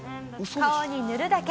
顔に塗るだけ。